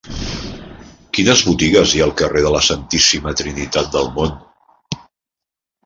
Quines botigues hi ha al carrer de la Santíssima Trinitat del Mont?